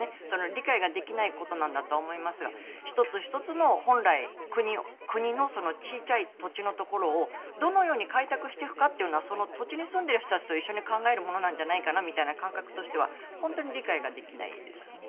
理解ができないことなんだとは思いますが１つ１つの本来国の小さい土地のところをどのように開拓していくかはその土地に住んでる人たちと一緒に考えるものなんじゃないかなという感覚としては本当に理解ができないですよね。